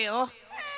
うん。